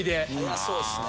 早そうですね。